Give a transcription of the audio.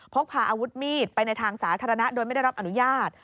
พกพาอาวุธมีดไปในทางสาธารณะโดยไม่ได้รับอนุญาต